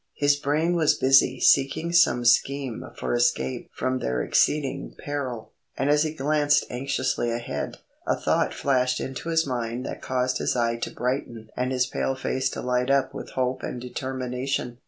His brain was busy seeking some scheme for escape from their exceeding peril, and as he glanced anxiously ahead, a thought flashed into his mind that caused his eye to brighten and his pale face to light up with hope and determination.